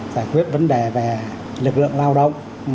giải quyết vấn đề về lực lượng lao động